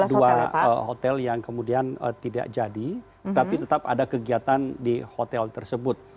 ada dua hotel yang kemudian tidak jadi tapi tetap ada kegiatan di hotel tersebut